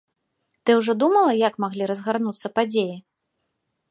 Ты ўжо думала, як маглі разгарнуцца падзеі?